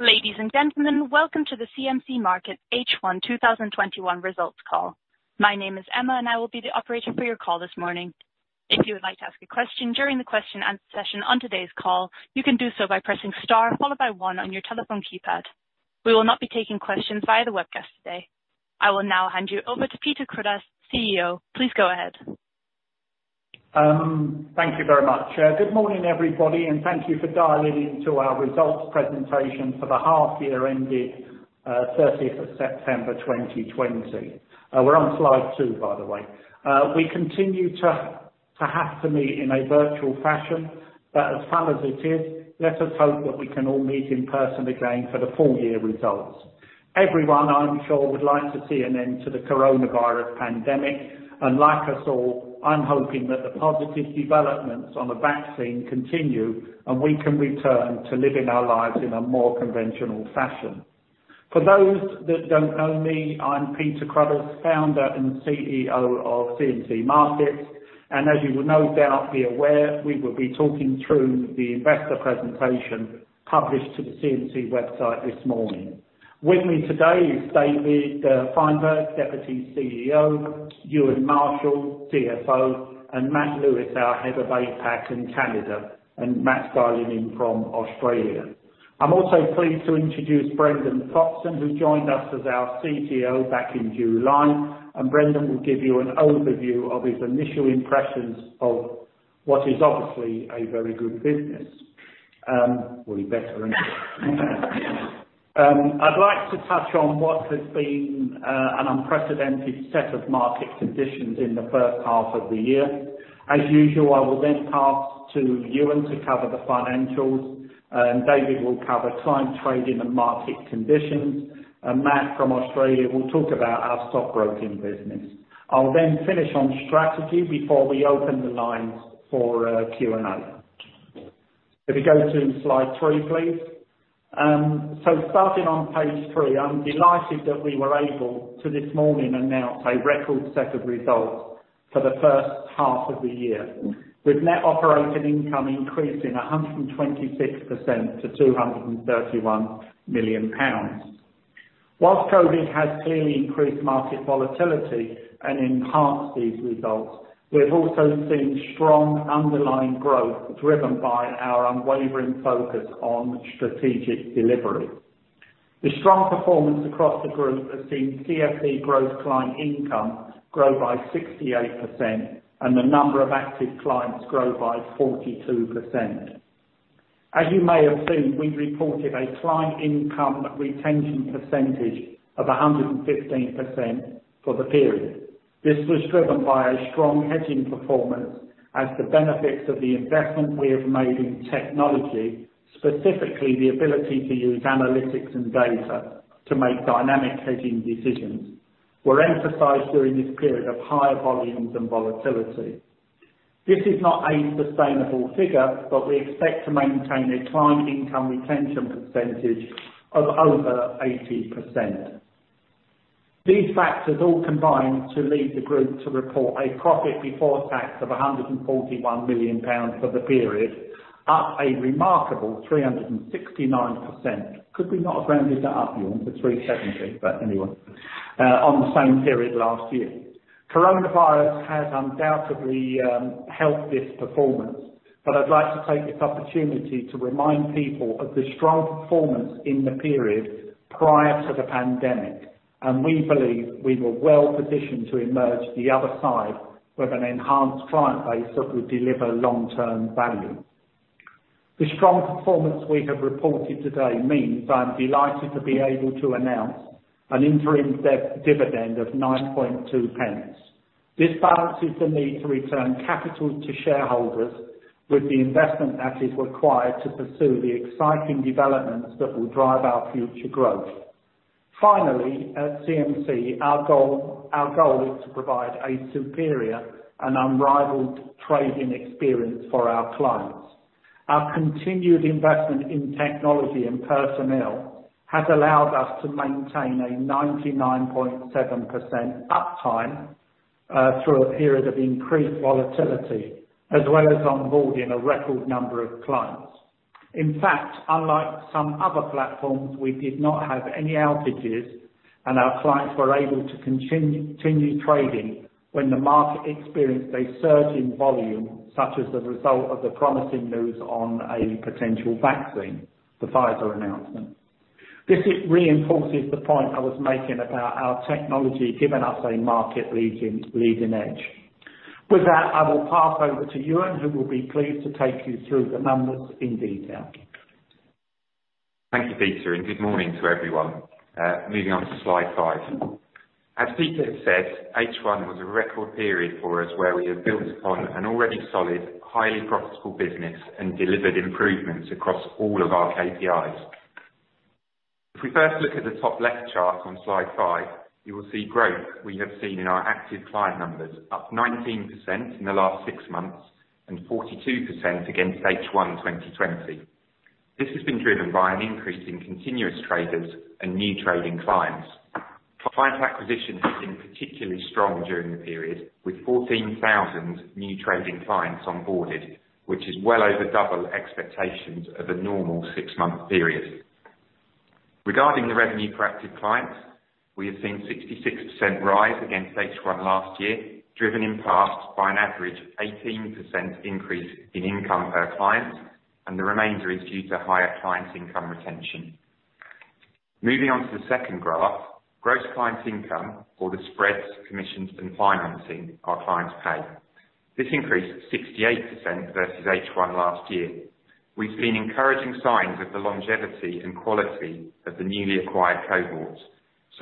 Ladies and gentlemen, welcome to the CMC Markets H1 2021 Results Call. My name is Emma. I will be the operator for your call this morning. If you would like to ask a question during the question and answer session on today's call, you can do so by pressing star followed by one on your telephone keypad. We will not be taking questions via the webcast today. I will now hand you over to Peter Cruddas, CEO. Please go ahead. Thank you very much. Good morning, everybody, and thank you for dialing in to our results presentation for the half year ending 30th of September 2020. We're on slide two, by the way. We continue to have to meet in a virtual fashion. As fun as it is, let us hope that we can all meet in person again for the full year results. Everyone, I'm sure, would like to see an end to the coronavirus pandemic. Like us all, I'm hoping that the positive developments on the vaccine continue, and we can return to living our lives in a more conventional fashion. For those that don't know me, I'm Peter Cruddas, founder and CEO of CMC Markets. As you would no doubt be aware, we will be talking through the investor presentation published to the CMC website this morning. With me today is David Fineberg, Deputy Chief Executive Officer, Euan Marshall, CFO, and Matt Lewis, our Head of APAC and Canada, and Matt's dialing in from Australia. I'm also pleased to introduce Brendan Foxen, who joined us as our CTO back in July. Brendan will give you an overview of his initial impressions of what is obviously a very good business. Well, he better is. I'd like to touch on what has been an unprecedented set of market conditions in the first half of the year. As usual, I will then pass to Euan to cover the financials. David will cover client trading and market conditions. Matt from Australia will talk about our stockbroking business. I'll then finish on strategy before we open the lines for Q&A. If we go to slide three, please. Starting on page three, I'm delighted that we were able to this morning announce a record set of results for the first half of the year, with net operating income increasing 126% to £231 million. Whilst COVID-19 has clearly increased market volatility and enhanced these results, we've also seen strong underlying growth driven by our unwavering focus on strategic delivery. The strong performance across the group has seen CFD gross client income grow by 68%, and the number of active clients grow by 42%. As you may have seen, we reported a client income retention percentage of 115% for the period. This was driven by a strong hedging performance as the benefits of the investment we have made in technology, specifically the ability to use analytics and data to make dynamic hedging decisions, were emphasized during this period of higher volumes and volatility. This is not a sustainable figure. We expect to maintain a client income retention percentage of over 80%. These factors all combine to lead the group to report a profit before tax of £141 million for the period, up a remarkable 369% on the same period last year. Could we not have rounded that up, Euan, to 370? Coronavirus has undoubtedly helped this performance, but I'd like to take this opportunity to remind people of the strong performance in the period prior to the pandemic, and we believe we were well-positioned to emerge the other side with an enhanced client base that will deliver long-term value. The strong performance we have reported today means I'm delighted to be able to announce an interim dividend of £0.092. This balances the need to return capital to shareholders with the investment that is required to pursue the exciting developments that will drive our future growth. Finally, at CMC, our goal is to provide a superior and unrivaled trading experience for our clients. Our continued investment in technology and personnel has allowed us to maintain a 99.7% uptime, through a period of increased volatility, as well as onboarding a record number of clients. In fact, unlike some other platforms, we did not have any outages, and our clients were able to continue trading when the market experienced a surge in volume, such as the result of the promising news on a potential vaccine, the Pfizer announcement. This reinforces the point I was making about our technology giving us a market leading edge. With that, I will pass over to Euan, who will be pleased to take you through the numbers in detail. Thank you, Peter. Good morning to everyone. Moving on to slide five. As Peter said, H1 was a record period for us where we have built upon an already solid, highly profitable business and delivered improvements across all of our KPIs. If we first look at the top left chart on slide five, you will see growth we have seen in our active client numbers, up 19% in the last six months and 42% against H1 2020. This has been driven by an increase in continuous traders and new trading clients. Client acquisition has been particularly strong during the period, with 14,000 new trading clients onboarded, which is well over double expectations of a normal six-month period. Regarding the revenue for active clients, we have seen a 66% rise against H1 last year, driven in part by an average 18% increase in income per client, and the remainder is due to higher client income retention. Moving on to the second graph, gross client income, or the spreads, commissions, and financing our clients pay. This increased 68% versus H1 last year. We've seen encouraging signs of the longevity and quality of the newly acquired cohorts.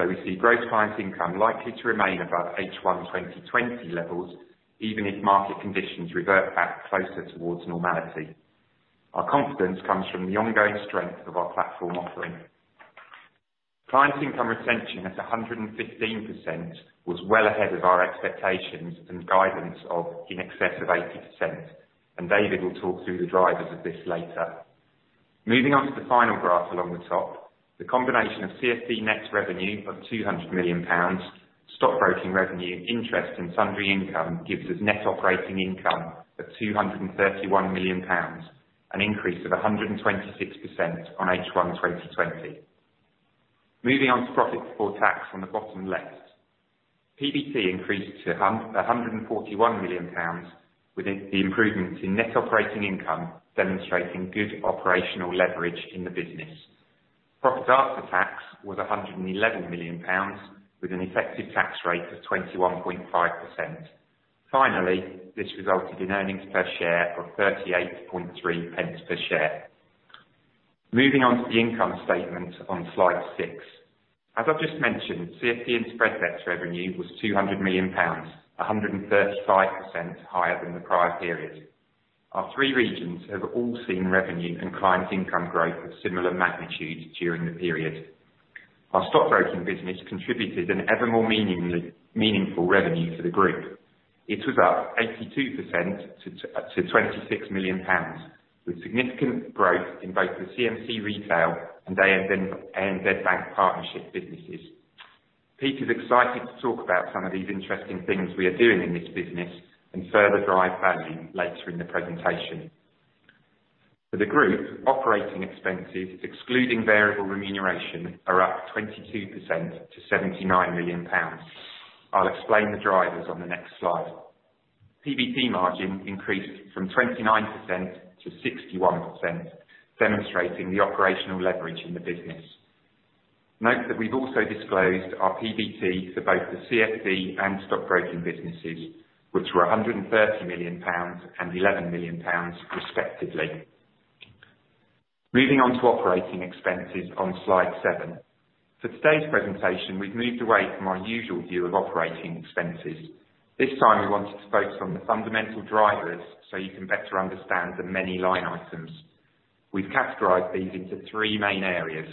We see gross client income likely to remain above H1 2020 levels, even if market conditions revert back closer towards normality. Our confidence comes from the ongoing strength of our platform offering. Client income retention at 115% was well ahead of our expectations and guidance of in excess of 80%. David will talk through the drivers of this later. Moving on to the final graph along the top, the combination of CFD net revenue of £200 million, stockbroking revenue, interest and sundry income gives us net operating income of £231 million, an increase of 126% on H1 2020. Moving on to profit before tax on the bottom left. PBT increased to £141 million with the improvements in net operating income demonstrating good operational leverage in the business. Profit after tax was £111 million with an effective tax rate of 21.5%. Finally, this resulted in earnings per share of £0.383 per share. Moving on to the income statement on slide six. As I've just mentioned, CFD and spread bet revenue was £200 million, 135% higher than the prior period. Our three regions have all seen revenue and client income growth of similar magnitude during the period. Our stockbroking business contributed an ever more meaningful revenue for the group. It was up 82% to £26 million, with significant growth in both the CMC Retail and ANZ Bank partnership businesses. Peter is excited to talk about some of these interesting things we are doing in this business and further drive value later in the presentation. For the group, operating expenses, excluding variable remuneration, are up 22% to £79 million. I'll explain the drivers on the next slide. PBT margin increased from 29%-61%, demonstrating the operational leverage in the business. Note that we've also disclosed our PBT for both the CFD and stockbroking businesses, which were £130 million and £11 million respectively. Moving on to operating expenses on slide seven. For today's presentation, we've moved away from our usual view of operating expenses. This time we wanted to focus on the fundamental drivers so you can better understand the many line items. We've categorized these into three main areas.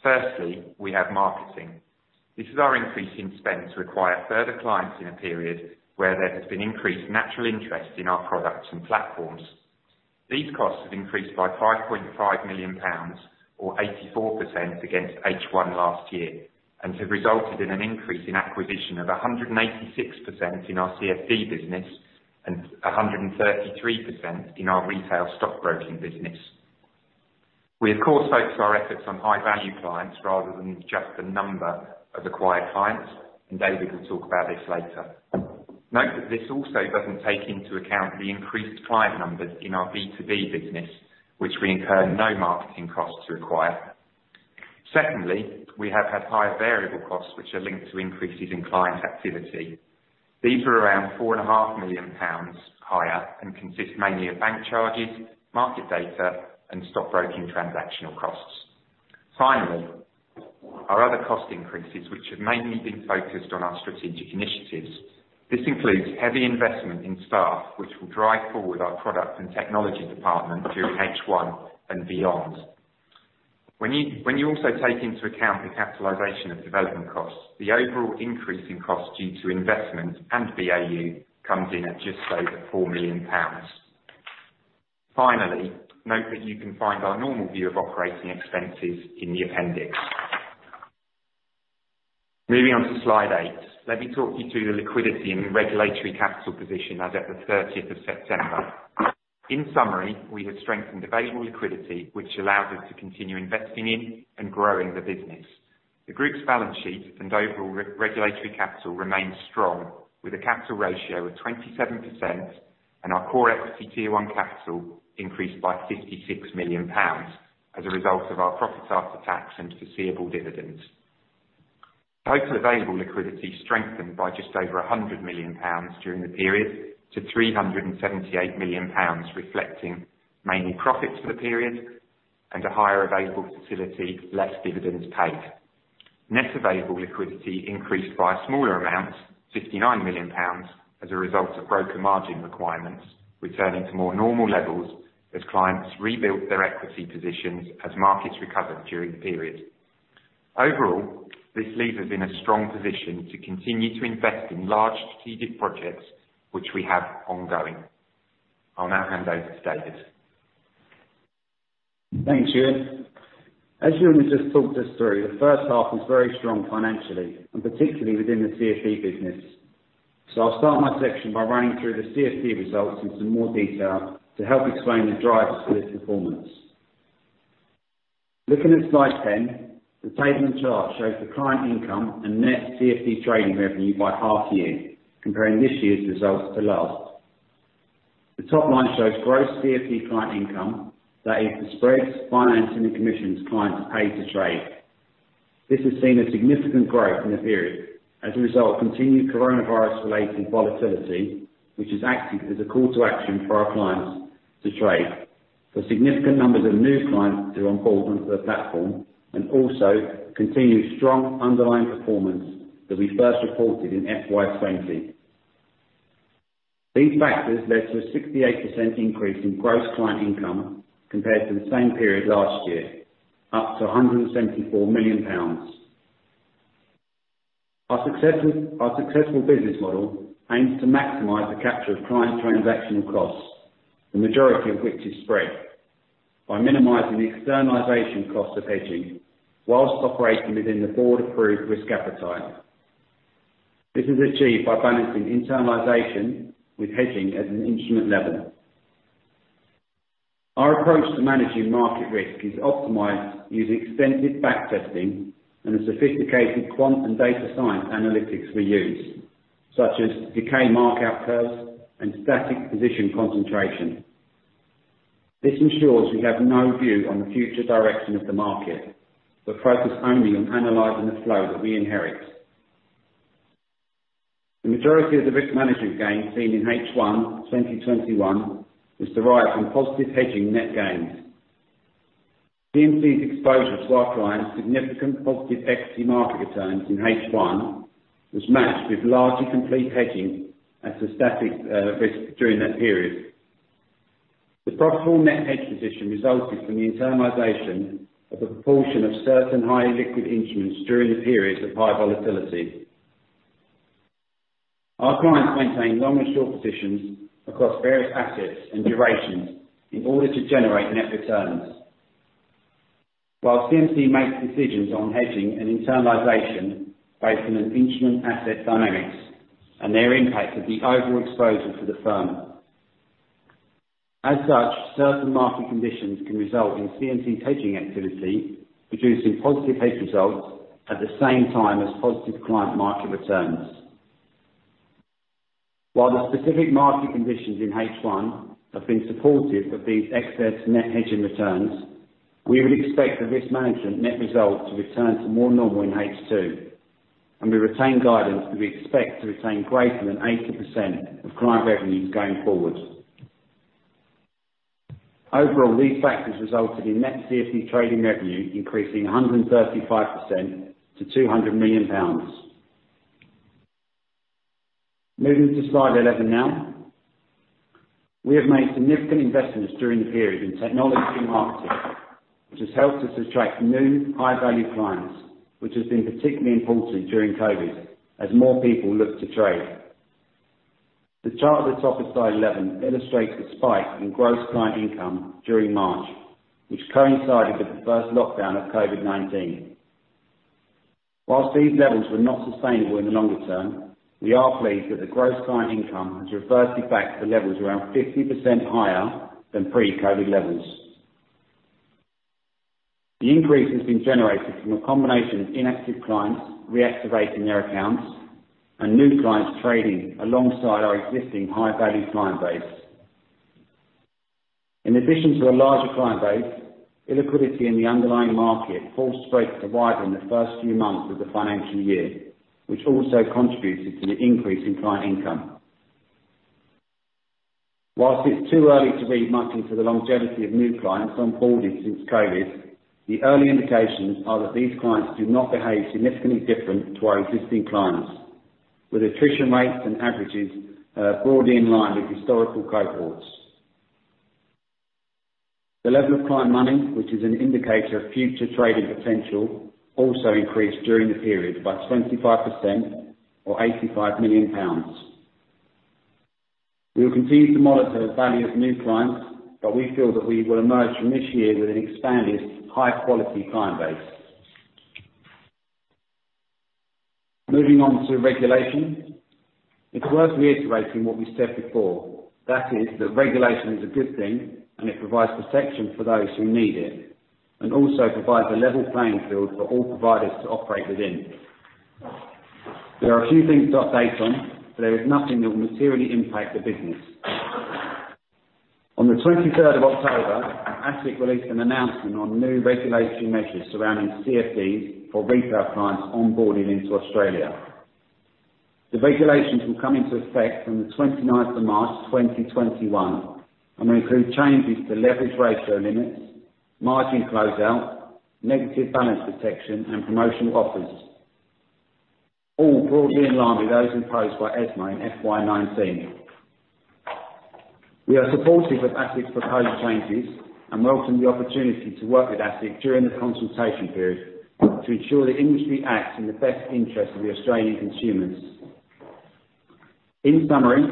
Firstly, we have marketing. This is our increasing spend to acquire further clients in a period where there has been increased natural interest in our products and platforms. These costs have increased by £5.5 million or 84% against H1 last year and have resulted in an increase in acquisition of 186% in our CFD business and 133% in our retail stockbroking business. We, of course, focus our efforts on high-value clients rather than just the number of acquired clients, and David will talk about this later. Note that this also doesn't take into account the increased client numbers in our B2B business, which we incur no marketing cost to acquire. Secondly, we have had higher variable costs, which are linked to increases in client activity. These are around £4.5 million higher and consist mainly of bank charges, market data, and stockbroking transactional costs. Finally, our other cost increases, which have mainly been focused on our strategic initiatives. This includes heavy investment in staff, which will drive forward our product and technology department through H1 and beyond. When you also take into account the capitalization of development costs, the overall increase in costs due to investment and BAU comes in at just over £4 million. Finally, note that you can find our normal view of operating expenses in the appendix. Moving on to slide eight. Let me talk you through the liquidity and regulatory capital position as at the 30th of September. In summary, we have strengthened available liquidity, which allows us to continue investing in and growing the business. The group's balance sheet and overall regulatory capital remains strong, with a capital ratio of 27% and our core CET1 capital increased by £56 million as a result of our profit after tax and foreseeable dividends. Total available liquidity strengthened by just over £100 million during the period to £378 million, reflecting mainly profits for the period and a higher available facility, less dividends paid. Net available liquidity increased by a smaller amount, £59 million, as a result of broker margin requirements returning to more normal levels as clients rebuilt their equity positions as markets recovered during the period. Overall, this leaves us in a strong position to continue to invest in large strategic projects, which we have ongoing. I'll now hand over to David. Thanks, Euan. As Euan has just talked us through, the first half was very strong financially, and particularly within the CFD business. I'll start my section by running through the CFD results in some more detail to help explain the drivers for this performance. Looking at slide 10, the table and chart shows the client income and net CFD trading revenue by half year, comparing this year's results to last. The top line shows gross CFD client income, that is the spreads, financing and commissions clients pay to trade. This has seen a significant growth in the period as a result of continued coronavirus-related volatility, which is acting as a call to action for our clients to trade, for significant numbers of new clients who are onboarded onto the platform, and also continued strong underlying performance that we first reported in FY 2020. These factors led to a 68% increase in gross client income compared to the same period last year, up to £174 million. Our successful business model aims to maximize the capture of client transactional costs, the majority of which is spread, by minimizing the externalization cost of hedging whilst operating within the board-approved risk appetite. This is achieved by balancing internalization with hedging at an instrument level. Our approach to managing market risk is optimized using extensive back testing and the sophisticated quant and data science analytics we use, such as decay markup curves and static position concentration. This ensures we have no view on the future direction of the market, but focus only on analyzing the flow that we inherit. The majority of the risk management gains seen in H1 2021 is derived from positive hedging net gains. CMC's exposure to our clients' significant positive equity market returns in H1 was matched with largely complete hedging at a static risk during that period. The profitable net hedge position resulted from the internalization of a proportion of certain highly liquid instruments during the periods of high volatility. Our clients maintain long and short positions across various assets and durations in order to generate net returns. While CMC makes decisions on hedging and internalization based on an instrument asset dynamics and their impact of the overall exposure to the firm. Certain market conditions can result in CMC's hedging activity producing positive hedge results at the same time as positive client market returns. While the specific market conditions in H1 have been supportive of these excess net hedging returns, we would expect the risk management net result to return to more normal in H2, and we retain guidance that we expect to retain greater than 80% of client revenues going forward. Overall, these factors resulted in net CFD trading revenue increasing 135% to £200 million. Moving to slide 11 now. We have made significant investments during the period in technology and marketing, which has helped us attract new high-value clients, which has been particularly important during COVID as more people look to trade. The chart at the top of slide 11 illustrates the spike in gross client income during March, which coincided with the first lockdown of COVID-19. Whilst these levels were not sustainable in the longer term, we are pleased that the gross client income has reverted back to levels around 50% higher than pre-COVID levels. The increase has been generated from a combination of inactive clients reactivating their accounts and new clients trading alongside our existing high-value client base. In addition to a larger client base, illiquidity in the underlying market caused spreads to widen the first few months of the financial year, which also contributed to the increase in client income. Whilst it's too early to read much into the longevity of new clients onboarded since COVID, the early indications are that these clients do not behave significantly different to our existing clients, with attrition rates and averages broadly in line with historical cohorts. The level of client money, which is an indicator of future trading potential, also increased during the period by 25% or £85 million. We will continue to monitor the value of new clients, but we feel that we will emerge from this year with an expanded high-quality client base. Moving on to regulation. It's worth reiterating what we said before. That is that regulation is a good thing, and it provides protection for those who need it, and also provides a level playing field for all providers to operate within. There are a few things to update on, but there is nothing that will materially impact the business. On the 23rd of October, ASIC released an announcement on new regulation measures surrounding CFDs for retail clients onboarding into Australia. The regulations will come into effect from the 29th of March 2021, and will include changes to leverage ratio limits, margin close-out, negative balance protection, and promotional offers, all broadly in line with those imposed by ESMA in FY19. We are supportive of ASIC's proposed changes and welcome the opportunity to work with ASIC during the consultation period to ensure the industry acts in the best interest of the Australian consumers. In summary,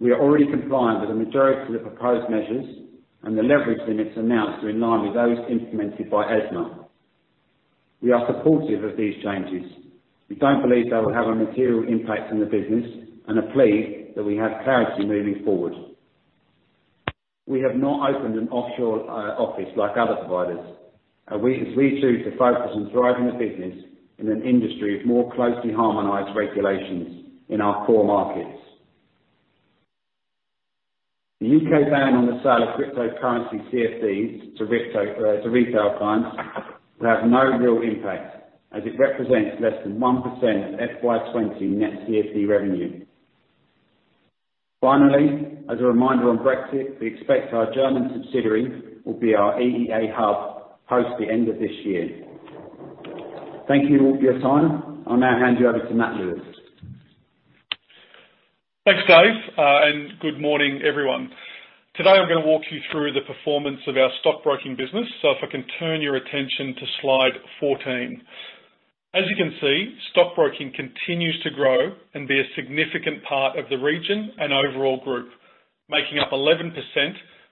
we are already compliant with the majority of the proposed measures and the leverage limits announced are in line with those implemented by ESMA. We are supportive of these changes. We don't believe they will have a material impact on the business and are pleased that we have clarity moving forward. We have not opened an offshore office like other providers, as we choose to focus on driving the business in an industry of more closely harmonized regulations in our core markets. The U.K. ban on the sale of cryptocurrency CFDs to retail clients will have no real impact as it represents less than 1% of FY20 net CFD revenue. Finally, as a reminder on Brexit, we expect our German subsidiary will be our EEA hub post the end of this year. Thank you all for your time. I'll now hand you over to Matt Lewis. Thanks, Dave, and good morning, everyone. Today I'm going to walk you through the performance of our stockbroking business. If I can turn your attention to slide 14. As you can see, stockbroking continues to grow and be a significant part of the region and overall group, making up 11%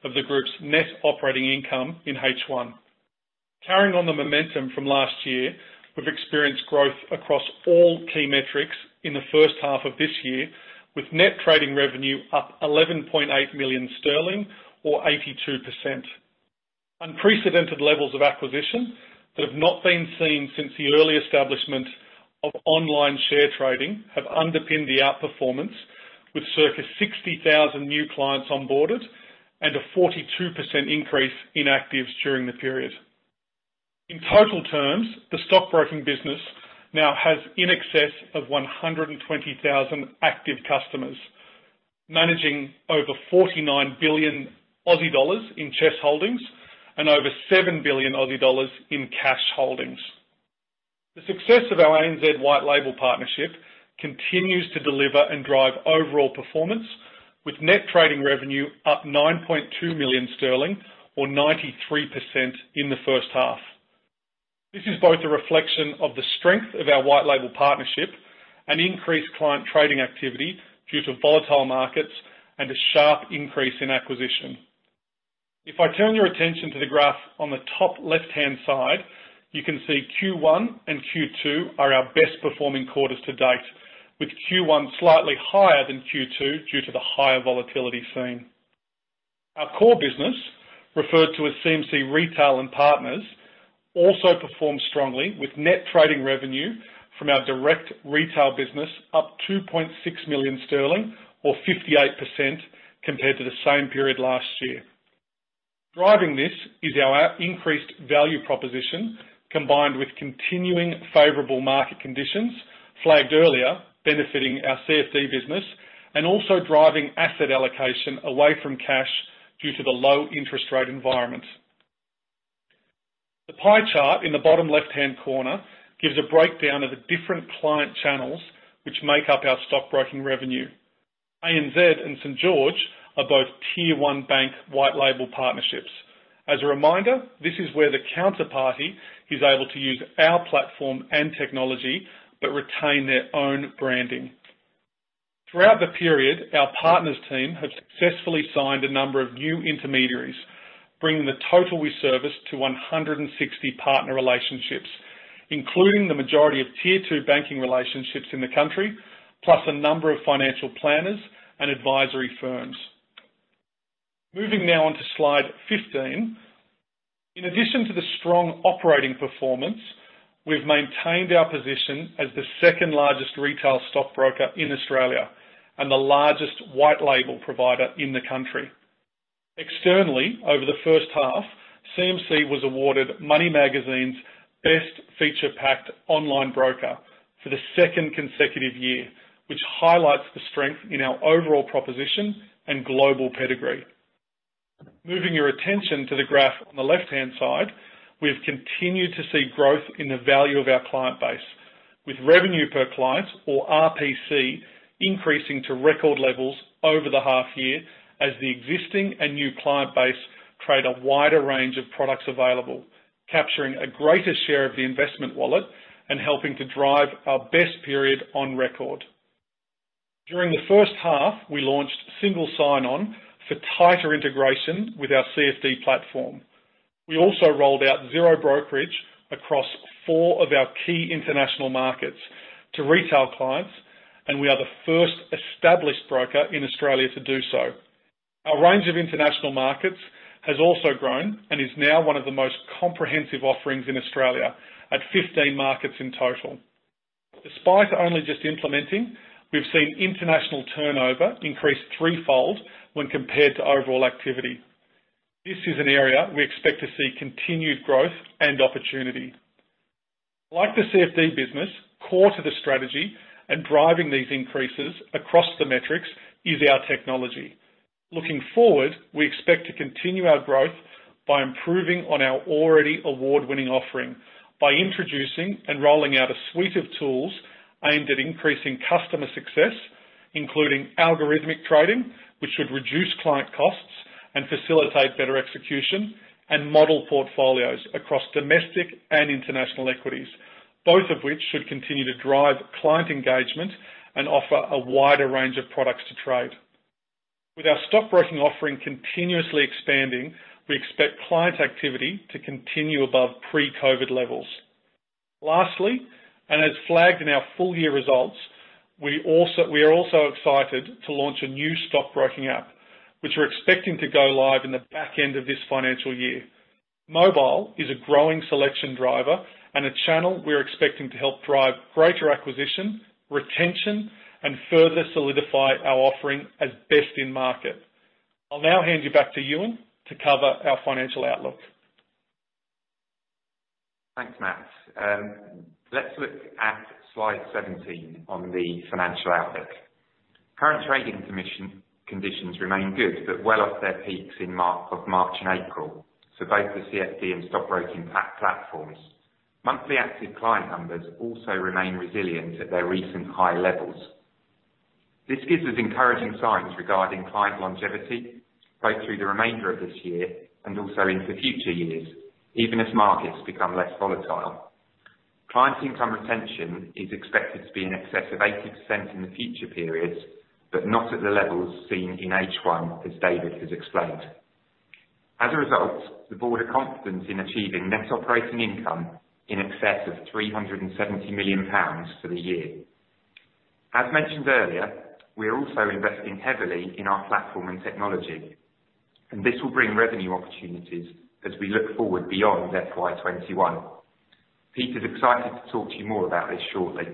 of the group's net operating income in H1. Carrying on the momentum from last year, we've experienced growth across all key metrics in the first half of this year, with net trading revenue up £11.8 million or 82%. Unprecedented levels of acquisition that have not been seen since the early establishment of online share trading have underpinned the outperformance with circa 60,000 new clients onboarded and a 42% increase in actives during the period. In total terms, the stockbroking business now has in excess of 120,000 active customers, managing over 49 billion Aussie dollars in CHESS holdings and over 7 billion Aussie dollars in cash holdings. The success of our ANZ white-label partnership continues to deliver and drive overall performance, with net trading revenue up £9.2 million or 93% in the first half. This is both a reflection of the strength of our white-label partnership and increased client trading activity due to volatile markets and a sharp increase in acquisition. If I turn your attention to the graph on the top left-hand side, you can see Q1 and Q2 are our best performing quarters to date, with Q1 slightly higher than Q2 due to the higher volatility seen. Our core business, referred to as CMC Retail and Partners, also performed strongly with net trading revenue from our direct retail business up £2.6 million or 58% compared to the same period last year. Driving this is our increased value proposition, combined with continuing favorable market conditions flagged earlier, benefiting our CFD business and also driving asset allocation away from cash due to the low interest rate environment. The pie chart in the bottom left-hand corner gives a breakdown of the different client channels which make up our stockbroking revenue. ANZ and St.George Bank are both tier 1 bank white label partnerships. As a reminder, this is where the counterparty is able to use our platform and technology but retain their own branding. Throughout the period, our Partners team have successfully signed a number of new intermediaries, bringing the total we service to 160 partner relationships, including the majority of tier 2 banking relationships in the country, plus a number of financial planners and advisory firms. Moving now on to slide 15. In addition to the strong operating performance, we've maintained our position as the second largest retail stockbroker in Australia and the largest white-label provider in the country. Externally, over the first half, CMC was awarded Money Magazine's Best Feature-Packed Online Broker for the second consecutive year, which highlights the strength in our overall proposition and global pedigree. Moving your attention to the graph on the left-hand side, we've continued to see growth in the value of our client base, with revenue per client or RPC increasing to record levels over the half year as the existing and new client base trade a wider range of products available, capturing a greater share of the investment wallet and helping to drive our best period on record. During the first half, we launched single sign-on for tighter integration with our CFD platform. We also rolled out zero brokerage across four of our key international markets to retail clients. We are the first established broker in Australia to do so. Our range of international markets has also grown and is now one of the most comprehensive offerings in Australia at 15 markets in total. Despite only just implementing, we've seen international turnover increase threefold when compared to overall activity. This is an area we expect to see continued growth and opportunity. Like the CFD business, core to the strategy and driving these increases across the metrics is our technology. Looking forward, we expect to continue our growth by improving on our already award-winning offering by introducing and rolling out a suite of tools aimed at increasing customer success, including algorithmic trading, which should reduce client costs Facilitate better execution and model portfolios across domestic and international equities, both of which should continue to drive client engagement and offer a wider range of products to trade. With our stockbroking offering continuously expanding, we expect client activity to continue above pre-COVID-19 levels. Lastly, as flagged in our full year results, we are also excited to launch a new stockbroking app, which we're expecting to go live in the back end of this financial year. Mobile is a growing selection driver and a channel we're expecting to help drive greater acquisition, retention, and further solidify our offering as best in market. I'll now hand you back to Euan to cover our financial outlook. Thanks, Matt. Let's look at slide 17 on the financial outlook. Current trading conditions remain good, but well off their peaks of March and April for both the CFD and stockbroking platforms. Monthly active client numbers also remain resilient at their recent high levels. This gives us encouraging signs regarding client longevity, both through the remainder of this year and also into future years, even as markets become less volatile. Client income retention is expected to be in excess of 80% in the future periods, but not at the levels seen in H1, as David has explained. As a result, the board are confident in achieving net operating income in excess of £370 million for the year. As mentioned earlier, we are also investing heavily in our platform and technology, and this will bring revenue opportunities as we look forward beyond FY21. Peter is excited to talk to you more about this shortly.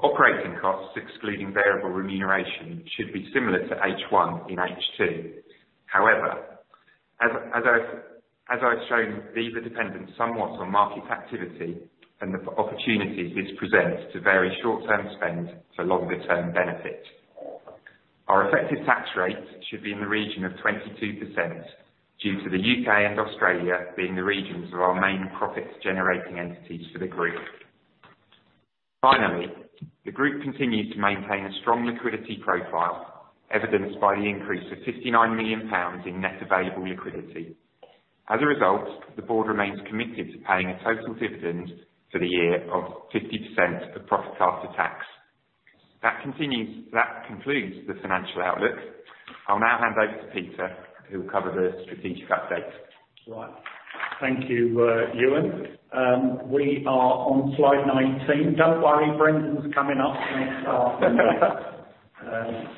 Operating costs, excluding variable remuneration, should be similar to H1 in H2. As I've shown, these are dependent somewhat on market activity and the opportunities this presents to vary short-term spend for longer-term benefit. Our effective tax rate should be in the region of 22% due to the U.K. and Australia being the regions of our main profit-generating entities for the group. The group continues to maintain a strong liquidity profile, evidenced by the increase of £59 million in net available liquidity. The board remains committed to paying a total dividend for the year of 50% of profit after tax. That concludes the financial outlook. I'll now hand over to Peter, who will cover the strategic update. Right. Thank you, Euan. We are on slide 19. Don't worry, Brendan's coming up next after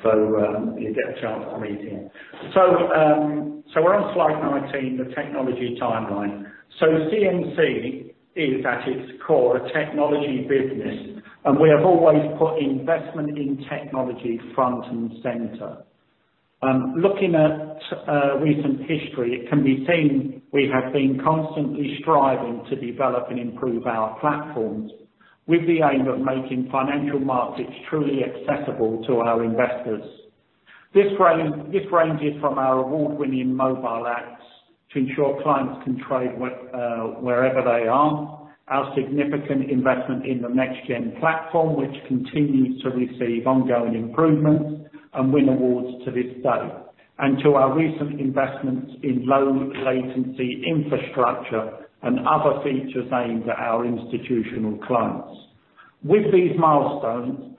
this. You'll get a chance to meet him. We're on slide 19, the technology timeline. CMC is at its core, a technology business, and we have always put investment in technology front and center. Looking at recent history, it can be seen we have been constantly striving to develop and improve our platforms with the aim of making financial markets truly accessible to our investors. This ranges from our award-winning mobile apps to ensure clients can trade wherever they are, our significant investment in the Next Generation platform, which continues to receive ongoing improvements and win awards to this day, and to our recent investments in low latency infrastructure and other features aimed at our institutional clients. Whilst these milestones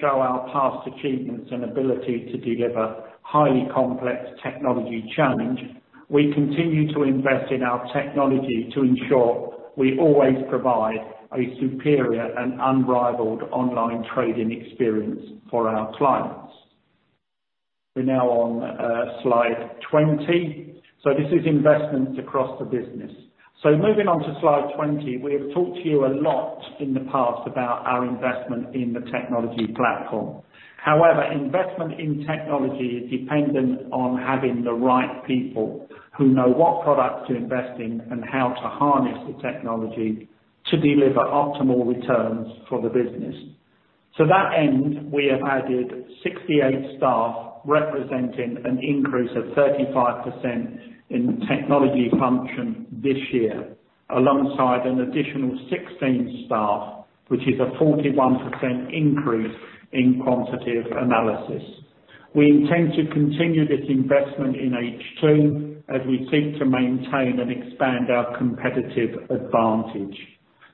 show our past achievements and ability to deliver highly complex technology challenges, we continue to invest in our technology to ensure we always provide a superior and unrivaled online trading experience for our clients. We're now on slide 20. This is investment across the business. Moving on to slide 20, we have talked to you a lot in the past about our investment in the technology platform. However, investment in technology is dependent on having the right people who know what product to invest in and how to harness the technology to deliver optimal returns for the business. To that end, we have added 68 staff, representing an increase of 35% in the technology function this year, alongside an additional 16 staff, which is a 41% increase in quantitative analysis. We intend to continue this investment in H2 as we seek to maintain and expand our competitive advantage.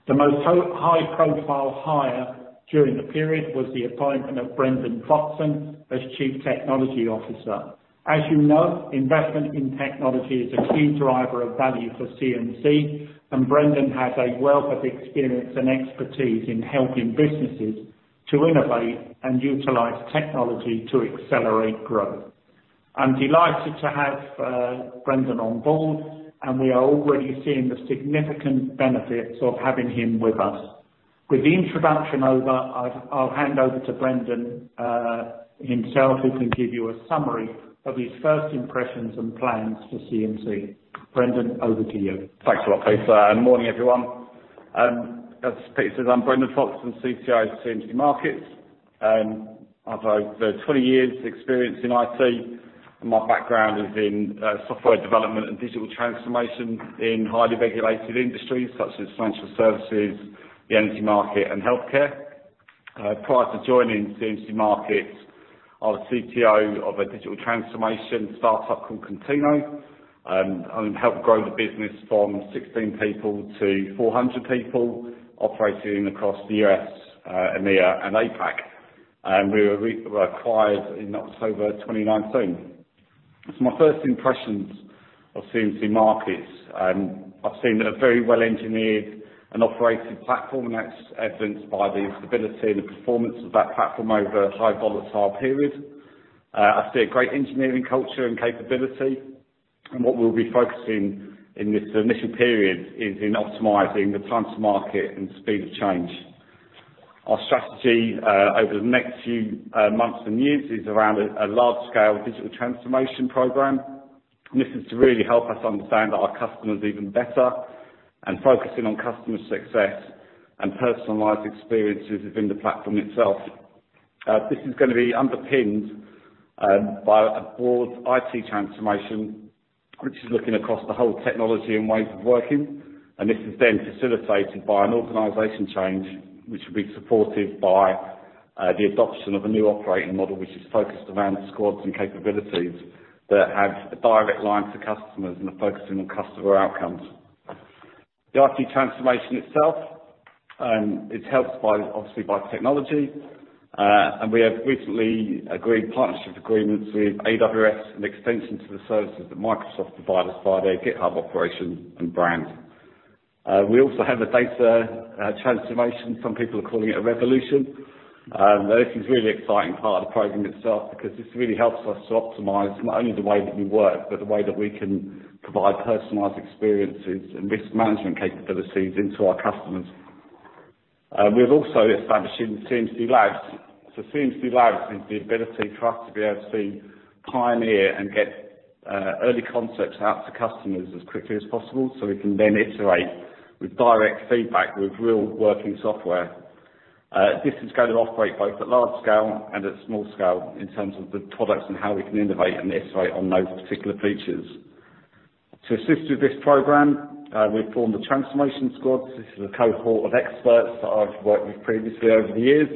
The most high-profile hire during the period was the appointment of Brendan Foxen as Chief Technology Officer. As you know, investment in technology is a key driver of value for CMC, Brendan has a wealth of experience and expertise in helping businesses to innovate and utilize technology to accelerate growth. I'm delighted to have Brendan on board, and we are already seeing the significant benefits of having him with us. With the introduction over, I'll hand over to Brendan himself, who can give you a summary of his first impressions and plans for CMC. Brendan, over to you. Thanks a lot, Pete. Morning, everyone. As Pete said, I'm Brendan Foxen, CTO of CMC Markets. I have over 20 years experience in IT. My background is in software development and digital transformation in highly regulated industries such as financial services, the energy market, and healthcare. Prior to joining CMC Markets, I was CTO of a digital transformation startup called Contino. Helped grow the business from 16 people to 400 people operating across the U.S., EMEA, and APAC. We were acquired in October 2019. My first impressions of CMC Markets, I've seen a very well-engineered and operated platform, and that's evidenced by the stability and the performance of that platform over a high volatile period. I see a great engineering culture and capability. What we'll be focusing in this initial period is in optimizing the time to market and speed of change. Our strategy over the next few months and years is around a large-scale digital transformation program. This is to really help us understand our customers even better and focusing on customer success and personalized experiences within the platform itself. This is going to be underpinned by a broad IT transformation, which is looking across the whole technology and ways of working. This is then facilitated by an organization change, which will be supported by the adoption of a new operating model, which is focused around squads and capabilities that have a direct line to customers and are focusing on customer outcomes. The IT transformation itself, it's helped, obviously, by technology. We have recently agreed partnership agreements with AWS and extension to the services that Microsoft provide us by their GitHub operations and brand. We also have a data transformation. Some people are calling it a revolution. This is a really exciting part of the program itself because this really helps us to optimize not only the way that we work, but the way that we can provide personalized experiences and risk management capabilities into our customers. We have also established CMC Labs. CMC Labs is the ability for us to be able to pioneer and get early concepts out to customers as quickly as possible, so we can then iterate with direct feedback, with real working software. This is going to operate both at large scale and at small scale in terms of the products and how we can innovate and iterate on those particular features. To assist with this program, we've formed the transformation squads. This is a cohort of experts that I've worked with previously over the years.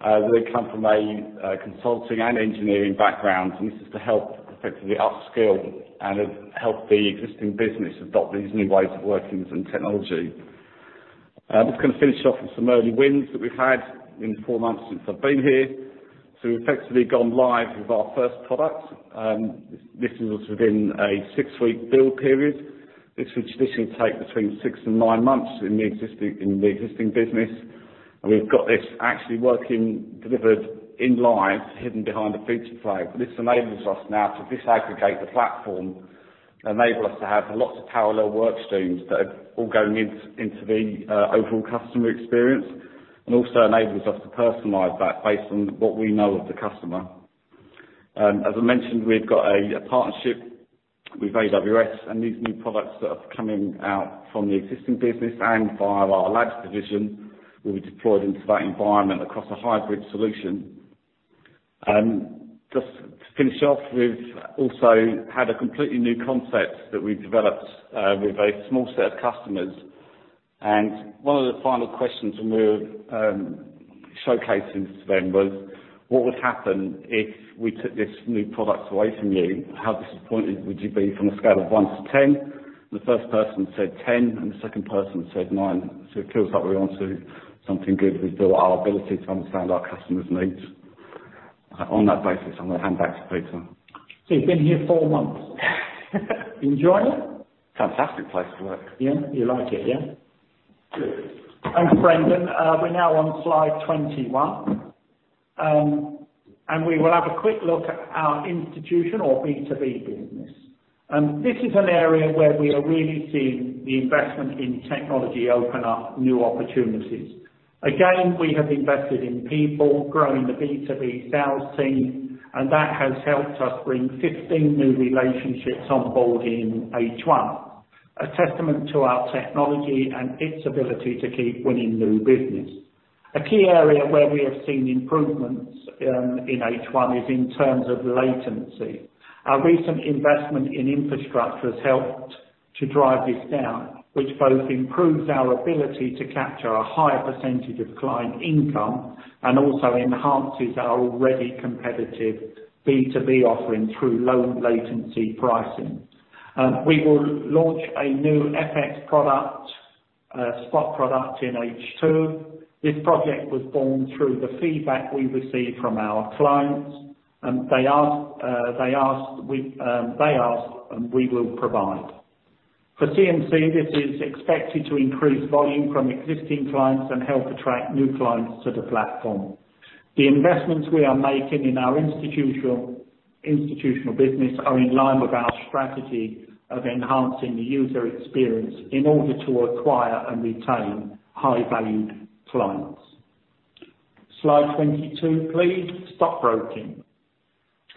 They come from a consulting and engineering background. This is to help effectively upskill and help the existing business adopt these new ways of working and technology. I'm just going to finish off with some early wins that we've had in the four months since I've been here. We've effectively gone live with our first product. This was within a six-week build period. This would traditionally take between six and nine months in the existing business. We've got this actually working, delivered in live, hidden behind a feature flag. This enables us now to disaggregate the platform, enable us to have lots of parallel work streams that are all going into the overall customer experience, and also enables us to personalize that based on what we know of the customer. As I mentioned, we've got a partnership with AWS. These new products that are coming out from the existing business and via our CMC Labs division will be deployed into that environment across a hybrid solution. Just to finish off, we've also had a completely new concept that we've developed with a small set of customers. One of the final questions when we were showcasing to them was, what would happen if we took this new product away from you? How disappointed would you be from a scale of one to 10? The first person said 10 and the second person said nine. It feels like we're onto something good with our ability to understand our customers' needs. On that basis, I'm going to hand back to Peter. You've been here four months. You enjoying it? Fantastic place to work. Yeah, you like it, yeah? Good. Thanks, Brendan. We're now on slide 21. We will have a quick look at our institutional or B2B business. This is an area where we are really seeing the investment in technology open up new opportunities. Again, we have invested in people, growing the B2B sales team, and that has helped us bring 15 new relationships on board in H1. A testament to our technology and its ability to keep winning new business. A key area where we have seen improvements in H1 is in terms of latency. Our recent investment in infrastructure has helped to drive this down, which both improves our ability to capture a higher percentage of client income and also enhances our already competitive B2B offering through low latency pricing. We will launch a new FX product, a spot product in H2. This project was born through the feedback we received from our clients. They asked, and we will provide. For CMC, this is expected to increase volume from existing clients and help attract new clients to the platform. The investments we are making in our institutional business are in line with our strategy of enhancing the user experience in order to acquire and retain high-value clients. Slide 22, please.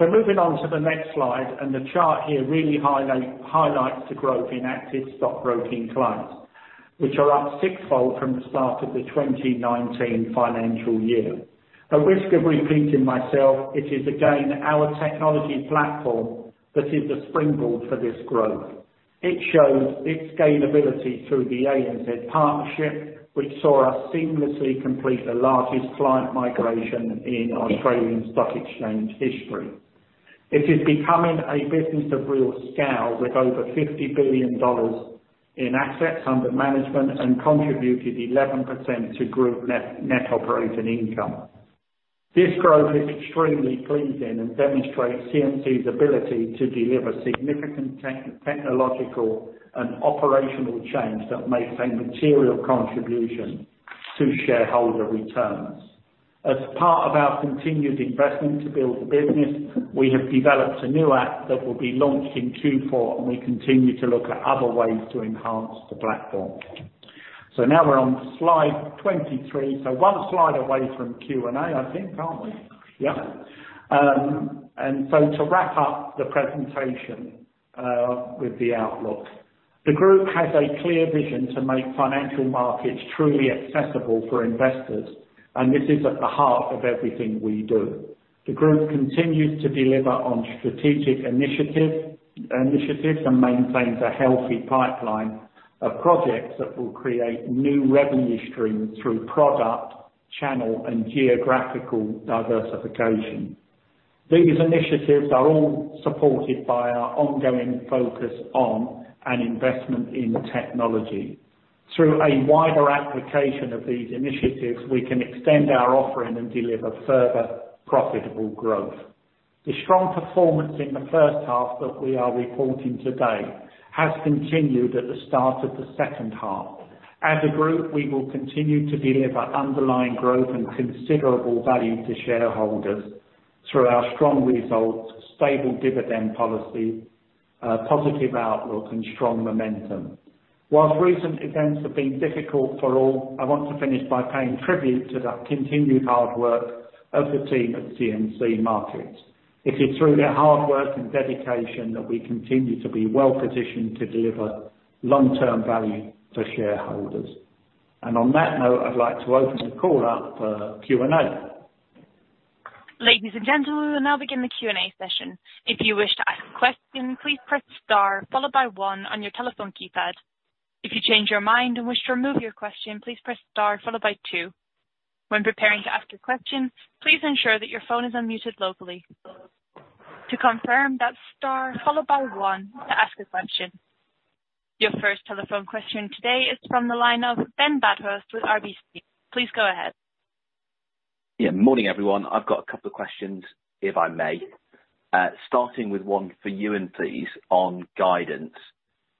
Stockbroking. Moving on to the next slide, the chart here really highlights the growth in active stockbroking clients, which are up sixfold from the start of the 2019 financial year. At risk of repeating myself, it is again our technology platform that is the springboard for this growth. It shows its scalability through the ANZ partnership, which saw us seamlessly complete the largest client migration in Australian Securities Exchange history. It is becoming a business of real scale with over 50 billion dollars in assets under management and contributed 11% to group net operating income. This growth is extremely pleasing and demonstrates CMC Markets' ability to deliver significant technological and operational change that makes a material contribution to shareholder returns. As part of our continued investment to build the business, we have developed a new app that will be launched in Q4, we continue to look at other ways to enhance the platform. Now we're on slide 23, so one slide away from Q&A, I think, aren't we? Yeah. To wrap up the presentation with the outlook. The group has a clear vision to make financial markets truly accessible for investors, this is at the heart of everything we do. The group continues to deliver on strategic initiatives and maintains a healthy pipeline of projects that will create new revenue streams through product, channel, and geographical diversification. These initiatives are all supported by our ongoing focus on and investment in technology. Through a wider application of these initiatives, we can extend our offering and deliver further profitable growth. The strong performance in the first half that we are reporting today has continued at the start of the second half. As a group, we will continue to deliver underlying growth and considerable value to shareholders through our strong results, stable dividend policy, positive outlook, and strong momentum. While recent events have been difficult for all, I want to finish by paying tribute to the continued hard work of the team at CMC Markets. It is through their hard work and dedication that we continue to be well-positioned to deliver long-term value for shareholders. On that note, I'd like to open the call up for Q&A. Ladies and gentlemen, we will now begin the Q&A session. If you wish to ask a question, please press star followed by one on your telephone keypad. If you change your mind and wish to remove your question, please press star followed by two. When preparing to ask your question, please ensure that your phone is unmuted locally. To confirm, that's star followed by one to ask a question. Your first telephone question today is from the line of Ben Bathurst with RBC. Please go ahead. Morning, everyone. I've got a couple of questions if I may. Starting with one for Euan, please, on guidance.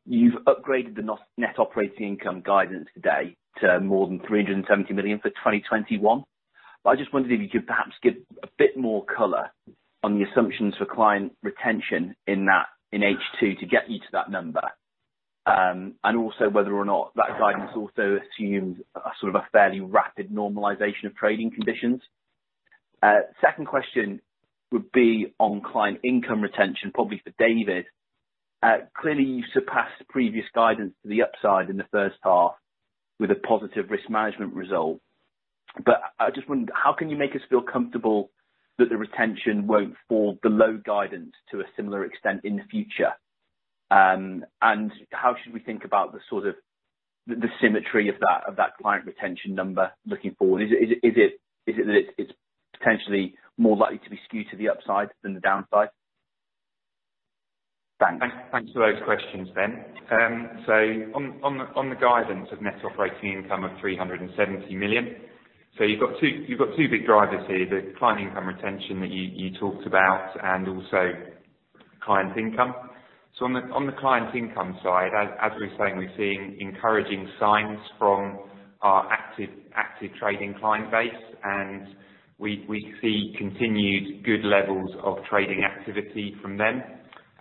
You've upgraded the net operating income guidance today to more than £370 million for 2021, I just wondered if you could perhaps give a bit more color on the assumptions for client retention in H2 to get you to that number. Also whether or not that guidance also assumes a sort of a fairly rapid normalization of trading conditions. Second question would be on client income retention, probably for David. Clearly, you've surpassed the previous guidance to the upside in the first half with a positive risk management result. I just wondered, how can you make us feel comfortable that the retention won't fall below guidance to a similar extent in the future? How should we think about the sort of the symmetry of that client retention number looking forward? Is it that it's potentially more likely to be skewed to the upside than the downside? Thanks. Thanks for those questions, Ben. On the guidance of net operating income of £370 million, you've got two big drivers here, the client income retention that you talked about and also client income. On the client income side, as we were saying, we're seeing encouraging signs from our active trading client base, and we see continued good levels of trading activity from them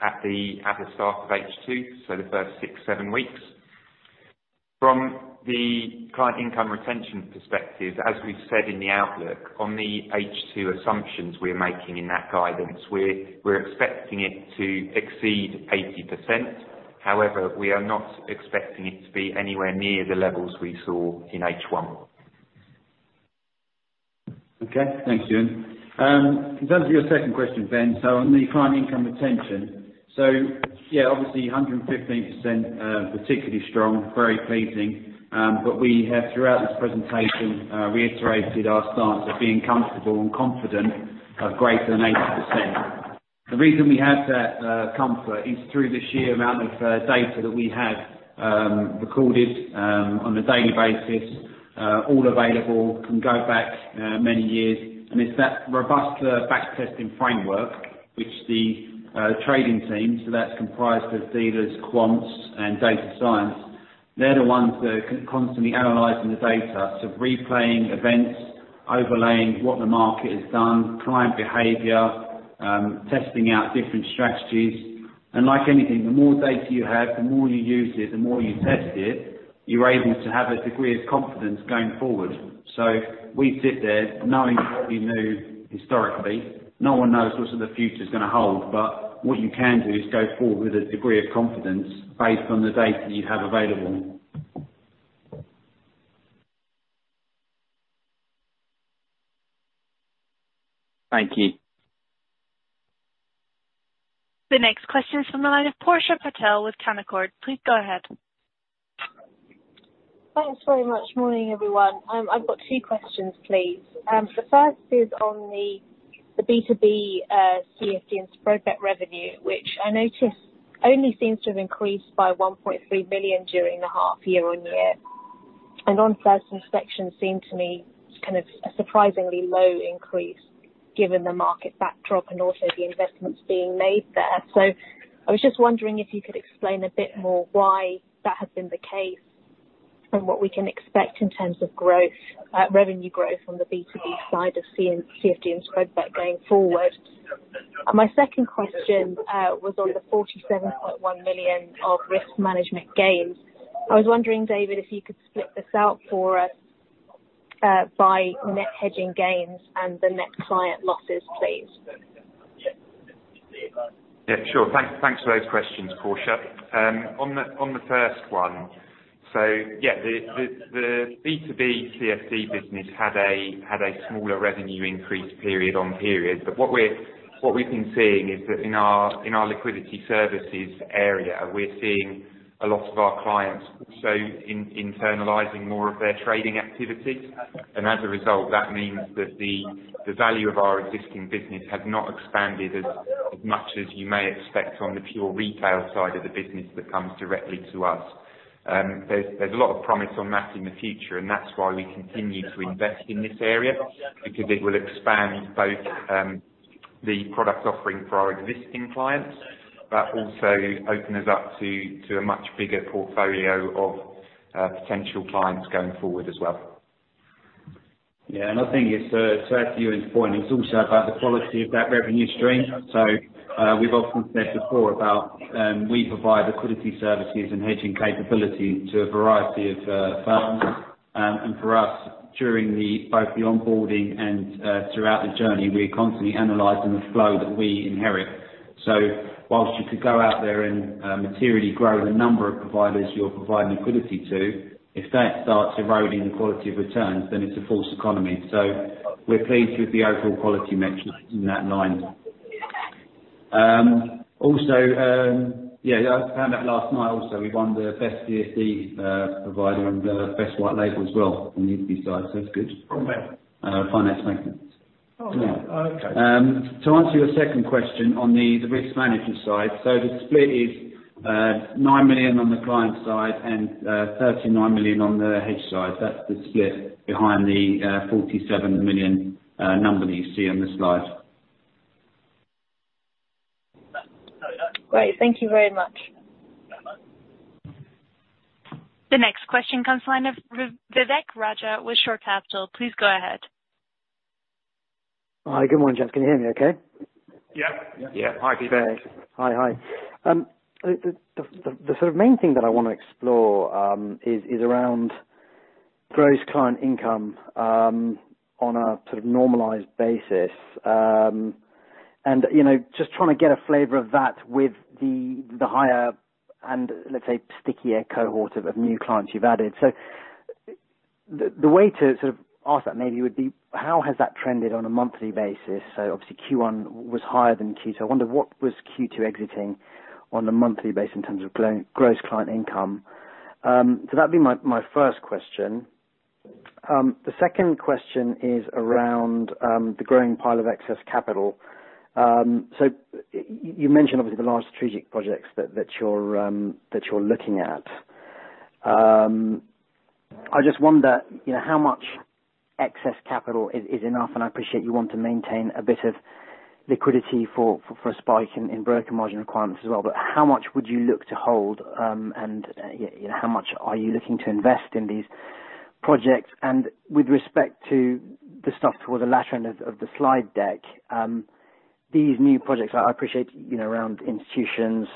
at the start of H2, so the first six, seven weeks. From the client income retention perspective, as we've said in the outlook, on the H2 assumptions we're making in that guidance, we're expecting it to exceed 80%. However, we are not expecting it to be anywhere near the levels we saw in H1. Okay. Thanks, Euan. In terms of your second question, Ben, on the client income retention. Yeah, obviously 115% particularly strong, very pleasing. We have throughout this presentation, reiterated our stance of being comfortable and confident of greater than 80%. The reason we have that comfort is through the sheer amount of data that we have recorded on a daily basis, all available, can go back many years. It's that robust back-testing framework, which the trading team, that's comprised of dealers, quants, and data science. They're the ones that are constantly analyzing the data. Replaying events, overlaying what the market has done, client behavior, testing out different strategies. Like anything, the more data you have, the more you use it, the more you test it, you're able to have a degree of confidence going forward. We sit there knowing what we knew historically. No one knows what sort the future's going to hold. What you can do is go forward with a degree of confidence based on the data you have available. Thank you. The next question is from the line of Portia Patel with Canaccord. Please go ahead. Thanks very much. Morning, everyone. I've got two questions, please. The first is on the B2B CFD and Spread Bet revenue, which I noticed only seems to have increased by £1.3 million during the half year on year. On first inspection seemed to me kind of a surprisingly low increase given the market backdrop and also the investments being made there. I was just wondering if you could explain a bit more why that has been the case and what we can expect in terms of revenue growth from the B2B side of CFD and Spread Bet going forward. My second question was on the £47.1 million of risk management gains. I was wondering, David, if you could split this out for us by net hedging gains and the net client losses, please. Yeah, sure. Thanks for those questions, Portia. On the first one, yeah, the B2B CFD business had a smaller revenue increase period on period. What we've been seeing is that in our liquidity services area, we're seeing a lot of our clients also internalizing more of their trading activities. As a result, that means that the value of our existing business has not expanded as much as you may expect on the pure retail side of the business that comes directly to us. There's a lot of promise on that in the future, and that's why we continue to invest in this area, because it will expand both the product offering for our existing clients, but also open us up to a much bigger portfolio of potential clients going forward as well. I think it's to add to Euan's point, it's also about the quality of that revenue stream. We've often said before about we provide liquidity services and hedging capability to a variety of firms. For us, during both the onboarding and throughout the journey, we're constantly analyzing the flow that we inherit. Whilst you could go out there and materially grow the number of providers you're providing liquidity to, if that starts eroding the quality of returns, it's a false economy. We're pleased with the overall quality metrics in that line. Also, I found out last night, we won the Best CFD Provider and the Best White-label as well on the FT side, it's good. From where? Finance Magnates. Oh, okay. To answer your second question on the risk management side. The split is £9 million on the client side and £39 million on the hedge side. That's the split behind the £47 million number that you see on the slide. Great. Thank you very much. The next question comes line of Vivek Raja with Shore Capital. Please go ahead. Hi. Good morning, gents. Can you hear me okay? Yeah. Yeah. Hi, Vivek. Hi. The sort of main thing that I want to explore is around gross client income on a sort of normalized basis. Just trying to get a flavor of that with the higher and let's say stickier cohort of new clients you've added. The way to sort of ask that maybe would be how has that trended on a monthly basis? Obviously Q1 was higher than Q2. I wonder what was Q2 exiting on a monthly basis in terms of gross client income. That would be my first question. The second question is around the growing pile of excess capital. You mentioned obviously the large strategic projects that you're looking at. I just wonder how much excess capital is enough, and I appreciate you want to maintain a bit of liquidity for a spike in broker margin requirements as well, but how much would you look to hold, and how much are you looking to invest in these projects? With respect to the stuff toward the latter end of the slide deck, these new projects I appreciate around institutions,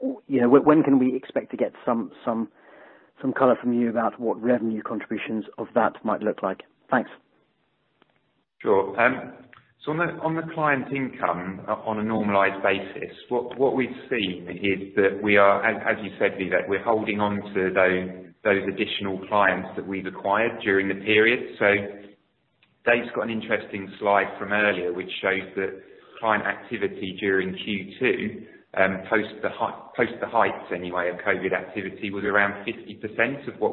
when can we expect to get some color from you about what revenue contributions of that might look like? Thanks. Sure. On the client income on a normalized basis, what we've seen is that we are, as you said, Vivek, we're holding on to those additional clients that we've acquired during the period. Dave's got an interesting slide from earlier which shows that client activity during Q2 post the heights anyway of COVID activity was around 50%, well,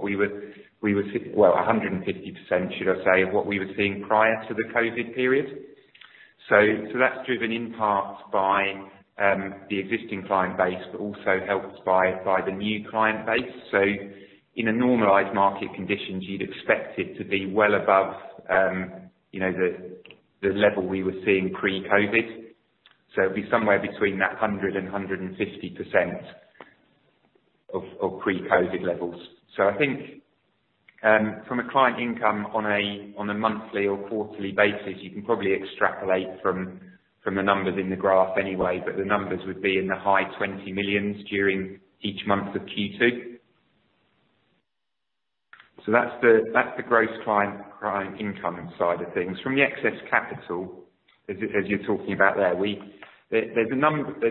150% should I say, of what we were seeing prior to the COVID period. That's driven in part by the existing client base but also helped by the new client base. In a normalized market conditions, you'd expect it to be well above the level we were seeing pre-COVID. It'd be somewhere between that 100% and 150% of pre-COVID levels. I think from a client income on a monthly or quarterly basis, you can probably extrapolate from the numbers in the graph anyway, but the numbers would be in the high £20 million during each month of Q2. That's the gross client income side of things. From the excess capital, as you're talking about there's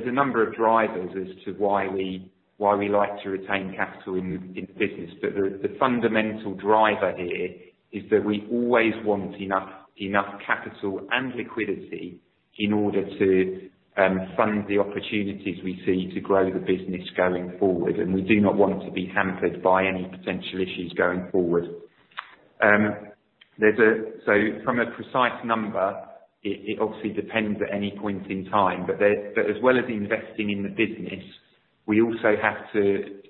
a number of drivers as to why we like to retain capital in the business. The fundamental driver here is that we always want enough capital and liquidity in order to fund the opportunities we see to grow the business going forward. We do not want to be hampered by any potential issues going forward. From a precise number, it obviously depends at any point in time. As well as investing in the business, we have to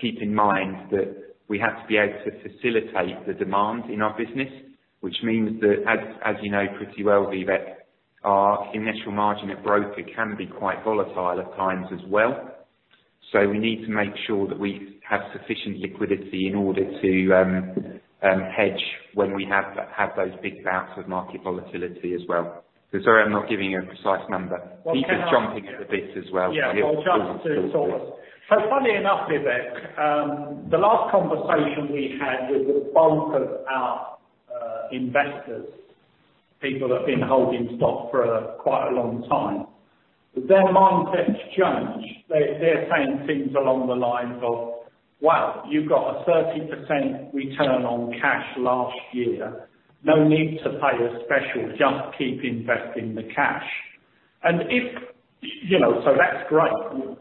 keep in mind that we have to be able to facilitate the demand in our business, which means that, as you know pretty well, Vivek, our initial margin at broker can be quite volatile at times as well. We need to make sure that we have sufficient liquidity in order to hedge when we have those big bouts of market volatility as well. Sorry I'm not giving you a precise number. Peter's jumping at the bit as well. I'll jump on this. Funnily enough, Vivek, the last conversation we had with the bulk of our investors, people that have been holding stock for quite a long time, their mindset's changed. They're saying things along the lines of, "Wow, you got a 30% return on cash last year. No need to pay a special, just keep investing the cash." That's great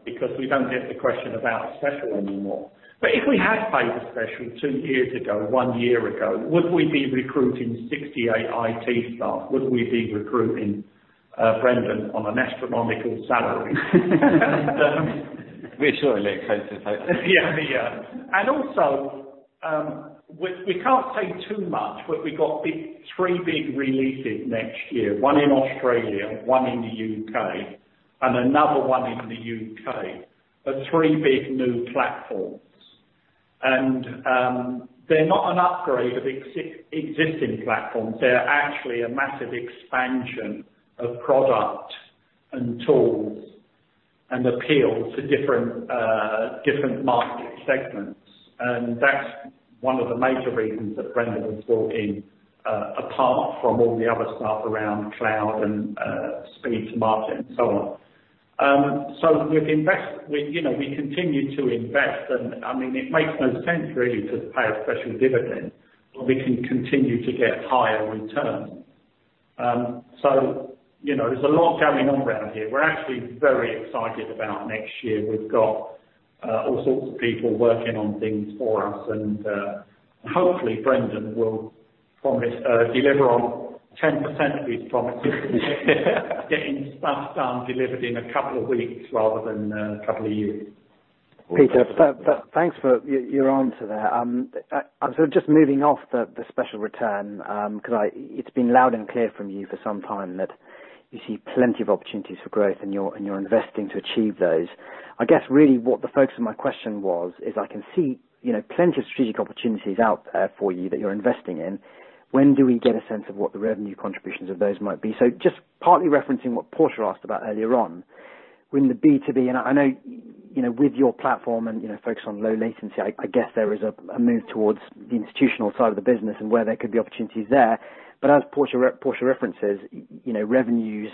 because we don't get the question about special anymore. If we had paid the special two years ago, one year ago, would we be recruiting 68 IT staff? Would we be recruiting Brendan on an astronomical salary? We're certainly expensive. Yeah. Also, we can't say too much, but we got three big releases next year. One in Australia, one in the U.K., and another one in the U.K. Are three big new platforms. They're not an upgrade of existing platforms, they're actually a massive expansion of product and tools and appeal to different market segments. That's one of the major reasons that Brendan was brought in, apart from all the other stuff around cloud and speed to market and so on. We continue to invest, and it makes no sense really to pay a special dividend when we can continue to get higher returns. There's a lot going on around here. We're actually very excited about next year. We've got all sorts of people working on things for us, and hopefully Brendan will deliver on 10% of his promises getting stuff done, delivered in a couple of weeks rather than a couple of years. Peter, thanks for your answer there. Just moving off the special return, because it's been loud and clear from you for some time that you see plenty of opportunities for growth and you're investing to achieve those. I guess really what the focus of my question was is I can see plenty of strategic opportunities out there for you that you're investing in. When do we get a sense of what the revenue contributions of those might be? Just partly referencing what Portia asked about earlier on, when the B2B. I know with your platform and focused on low latency, I guess there is a move towards the institutional side of the business and where there could be opportunities there. As Portia references, revenues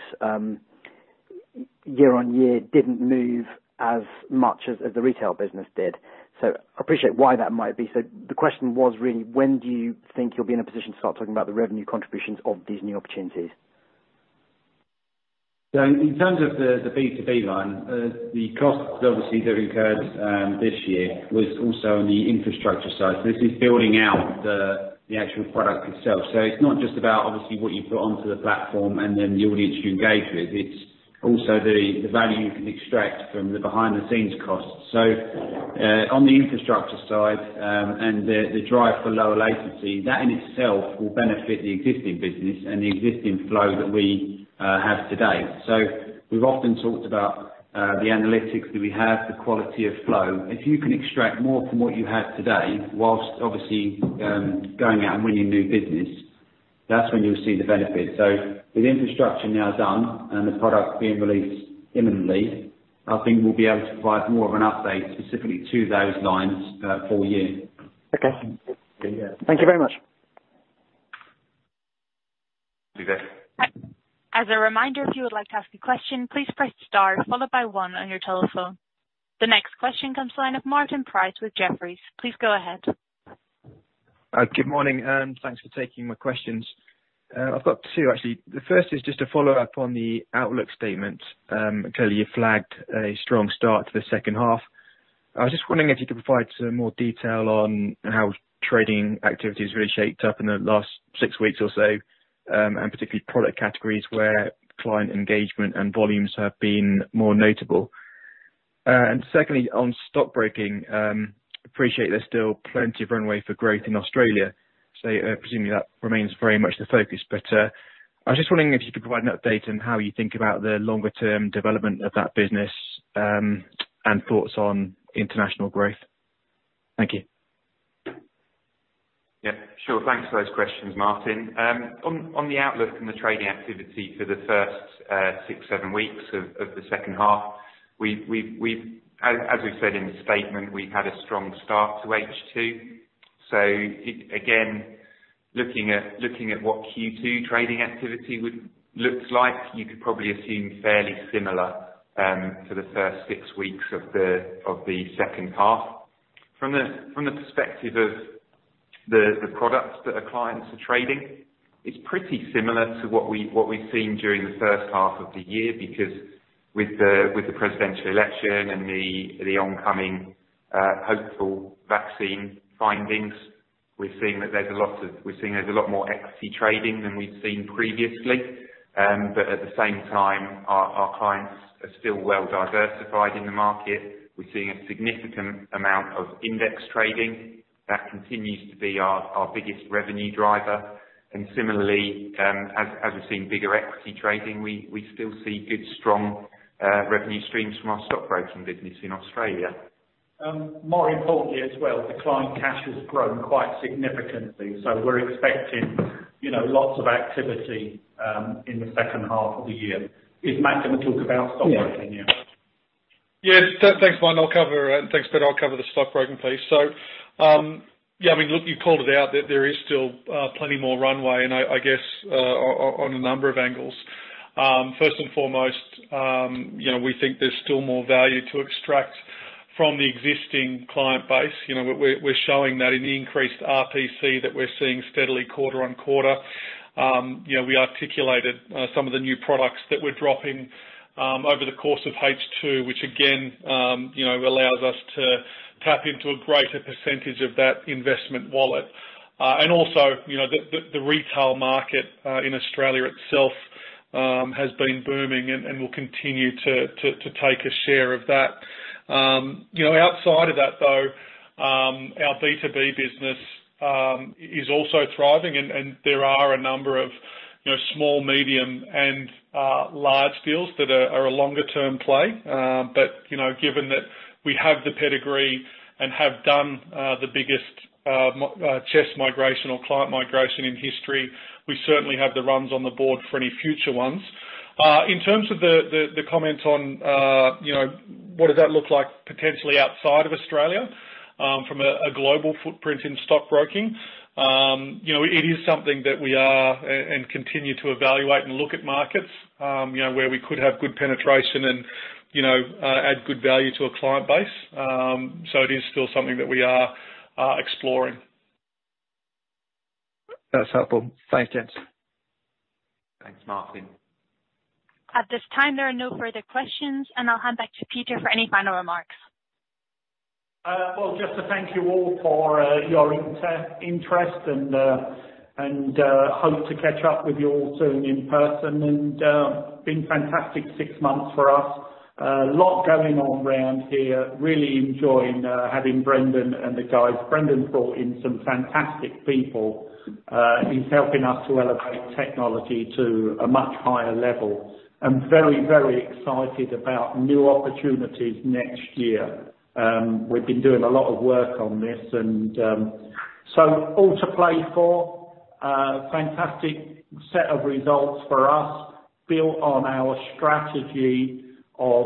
year-on-year didn't move as much as the retail business did. I appreciate why that might be. The question was really, when do you think you'll be in a position to start talking about the revenue contributions of these new opportunities? In terms of the B2B line, the costs obviously that occurred this year was also on the infrastructure side. This is building out the actual product itself. It's not just about obviously what you put onto the platform and then the audience you engage with, it's also the value you can extract from the behind-the-scenes costs. On the infrastructure side and the drive for lower latency, that in itself will benefit the existing business and the existing flow that we have today. We've often talked about the analytics that we have, the quality of flow. If you can extract more from what you have today, whilst obviously going out and winning new business, that's when you'll see the benefit. With infrastructure now done and the product being released imminently, I think we'll be able to provide more of an update specifically to those lines for you. Okay. Yeah. Thank you very much. Vivek. As a reminder, if you would like to ask a question, please press star followed by one on your telephone. The next question comes the line of Martin Price with Jefferies. Please go ahead. Good morning, thanks for taking my questions. I've got two, actually. The first is just a follow-up on the outlook statement. Clearly, you flagged a strong start to the second half. I was just wondering if you could provide some more detail on how trading activity has really shaped up in the last six weeks or so, and particularly product categories where client engagement and volumes have been more notable. Secondly, on stockbroking, appreciate there's still plenty of runway for growth in Australia, so presumably that remains very much the focus. I was just wondering if you could provide an update on how you think about the longer-term development of that business, and thoughts on international growth. Thank you. Yeah, sure. Thanks for those questions, Martin. On the outlook and the trading activity for the first six, seven weeks of the second half, as we've said in the statement, we've had a strong start to H2. Looking at what Q2 trading activity looks like, you could probably assume fairly similar to the first six weeks of the second half. From the perspective of the products that our clients are trading, it is pretty similar to what we have seen during the first half of the year, because with the presidential election and the oncoming hopeful vaccine findings, we are seeing there is a lot more equity trading than we had seen previously. But at the same time, our clients are still well-diversified in the market. We are seeing a significant amount of index trading. That continues to be our biggest revenue driver. And similarly, as we have seen bigger equity trading, we still see good, strong revenue streams from our stockbroking business in Australia. More importantly as well, the client cash has grown quite significantly. We're expecting lots of activity in the second half of the year. Is Matt going to talk about stockbroking now? Yeah. Thanks, Martin. I'll cover the stockbroking piece. You called it out, that there is still plenty more runway, and I guess, on a number of angles. First and foremost, we think there's still more value to extract from the existing client base. We're showing that in the increased RPC that we're seeing steadily quarter-on-quarter. We articulated some of the new products that we're dropping over the course of H2, which again allows us to tap into a greater % of that investment wallet. Also, the retail market in Australia itself has been booming and will continue to take a share of that. Outside of that, though, our B2B business is also thriving, and there are a number of small, medium, and large deals that are a longer-term play. Given that we have the pedigree and have done the biggest CHESS migration or client migration in history, we certainly have the runs on the board for any future ones. In terms of the comments on what does that look like potentially outside of Australia, from a global footprint in stockbroking, it is something that we are, and continue to evaluate and look at markets where we could have good penetration and add good value to a client base. It is still something that we are exploring. That's helpful. Thanks, gents. Thanks, Martin. At this time, there are no further questions, and I'll hand back to Peter for any final remarks. Well, just to thank you all for your interest, and hope to catch up with you all soon in person. It's been a fantastic six months for us. A lot going on around here. Really enjoying having Brendan and the guys. Brendan brought in some fantastic people. He's helping us to elevate technology to a much higher level. I'm very excited about new opportunities next year. We've been doing a lot of work on this. All to play for. Fantastic set of results for us, built on our strategy of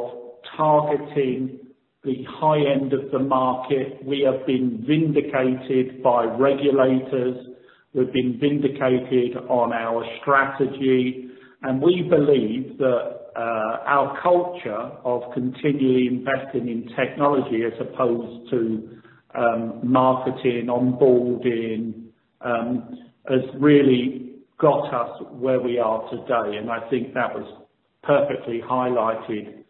targeting the high end of the market. We have been vindicated by regulators, we've been vindicated on our strategy, and we believe that our culture of continually investing in technology, as opposed to marketing, onboarding, has really got us where we are today. I think that was perfectly highlighted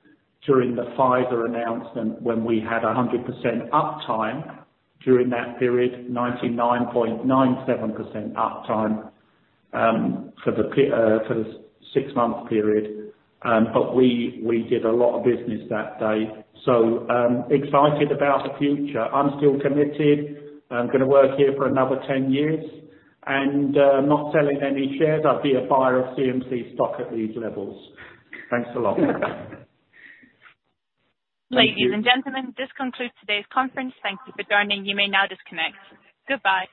during the Pfizer announcement, when we had 100% uptime during that period, 99.97% uptime for the six-month period. We did a lot of business that day. Excited about the future. I'm still committed. I'm going to work here for another 10 years. I'm not selling any shares. I'd be a buyer of CMC stock at these levels. Thanks a lot. Ladies and gentlemen, this concludes today's conference. Thank you for joining. You may now disconnect. Goodbye.